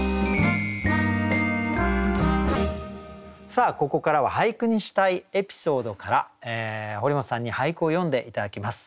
さあここからは俳句にしたいエピソードから堀本さんに俳句を詠んで頂きます。